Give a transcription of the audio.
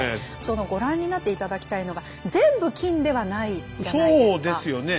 そのご覧になって頂きたいのが全部金ではないじゃないですか。